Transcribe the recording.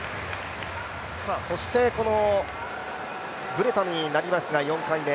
そしてブレタになりますが、４回目。